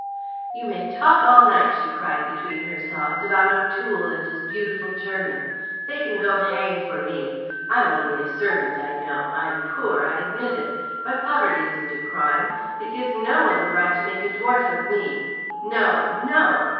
"You may talk all night," she cried between her sobs, "about O'Toole and his beautiful German. They can go hang for me! I am only a servant, I know. I am poor, I admit it. But poverty isn't a crime. It gives no one the right to make a dwarf of me. No, no!"